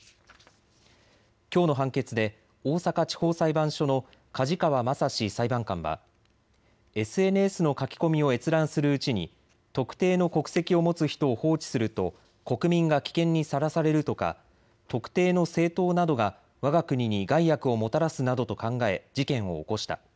きょうの判決で大阪地方裁判所の梶川匡志裁判官は、ＳＮＳの書き込みを閲覧するうちに特定の国籍を持つ人を放置すると国民が危険にさらされるとか、特定の政党などがわが国に害悪をもたらすなどと考え事件を起こした。